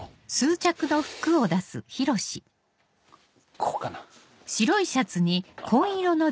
ここかな。